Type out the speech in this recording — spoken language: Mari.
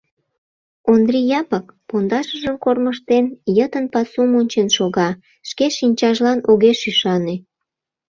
Ондри Япык, пондашыжым кормыжтен, йытын пасум ончен шога, шке шинчажлан огеш ӱшане.